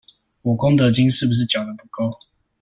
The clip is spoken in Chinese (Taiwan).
我功德金是不是繳得不夠？